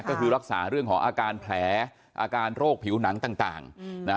ก็คือรักษาเรื่องของอาการแผลอาการโรคผิวหนังต่าง